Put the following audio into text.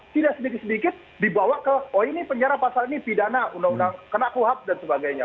tidak sedikit sedikit dibawa ke oh ini penjara pasal ini pidana undang undang kena kuhab dan sebagainya